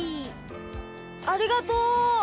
ありがとう！